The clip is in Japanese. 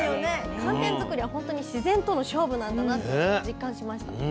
寒天作りは本当に自然との勝負なんだなって実感しました。